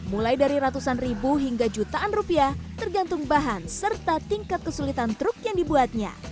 mulai dari ratusan ribu hingga jutaan rupiah tergantung bahan serta tingkat kesulitan truk yang dibuatnya